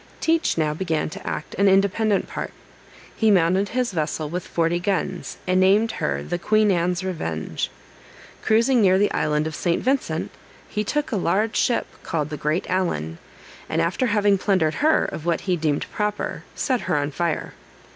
Teach now began to act an independent part. He mounted his vessel with forty guns, and named her "The Queen Anne's Revenge." Cruising near the island of St. Vincent, he took a large ship, called the Great Allan, and after having plundered her of what he deemed proper, set her on fire.